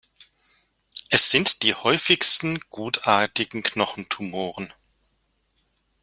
Es sind die häufigsten gutartigen Knochentumoren.